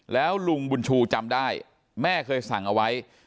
แล้วลุงบุญชูจำได้แม่เคยสั่งเอาไว้